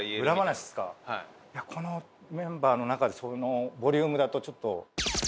このメンバーの中でそのボリュームだとちょっと。